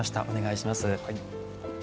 お願いします。